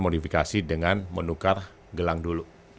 modifikasi dengan menukar gelang dulu